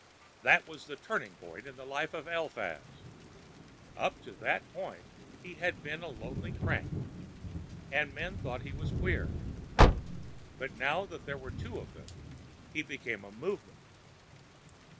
That was the turning point in the life of Eliphaz. Up to that moment he had been a lonely crank, and men thought he was queer; but now there were two of them and he became a Movement.